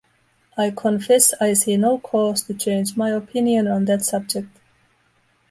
I confess I see no cause to change my opinion on that subject.